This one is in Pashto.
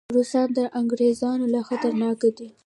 روسان تر انګریزانو لا خطرناک دي.